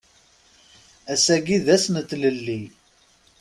Ass-agi d ass n tlelli.